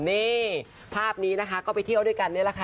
นี่ภาพนี้นะคะก็ไปเที่ยวด้วยกันนี่แหละค่ะ